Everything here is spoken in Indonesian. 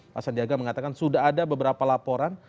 pak sandiaga mengatakan sudah ada beberapa laporan